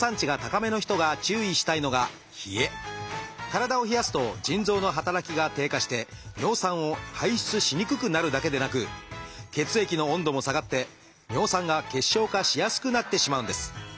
体を冷やすと腎臓の働きが低下して尿酸を排出しにくくなるだけでなく血液の温度も下がって尿酸が結晶化しやすくなってしまうんです。